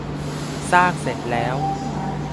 สร้างเสร็จแล้ว